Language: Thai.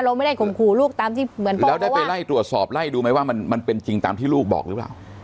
เราไม่ได้ข่มขู่ลูกตามที่เหมือนแล้วได้ไปไล่ตรวจสอบไล่ดูไหมว่ามันมันเป็นจริงตามที่ลูกบอกหรือเปล่า